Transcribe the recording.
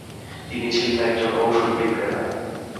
তিনি ছিলেন একজন ওষুধ বিক্রেতা।